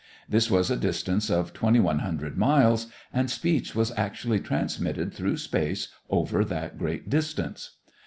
This was a distance of twenty one hundred miles, and speech was actually transmitted through space over that great distance.